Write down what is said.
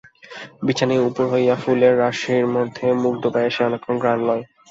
বিছানায় উপুড় হইয়া ফুলের রাশির মধ্যে মুখ ড়ুবাইয়া সে অনেকক্ষণ ঘ্রাণ লয়।